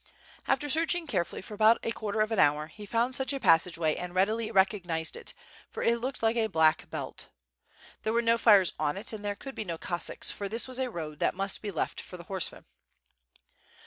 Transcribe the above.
After searching carefully for about a quarter of an hour, he found such a passage way and readily recognized it, for it looked like a black belt. There were no fires on it and there could be no Cossacks, for this was a road that must be left for the horsemen.